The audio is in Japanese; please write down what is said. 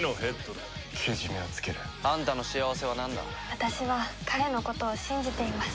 私は彼のことを信じています。